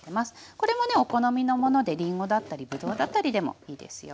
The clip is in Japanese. これもねお好みのものでりんごだったりぶどうだったりでもいいですよ。